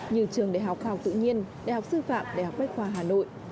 như trường đại học khoa học tự nhiên đại học sư phạm đại học bách khoa hà nội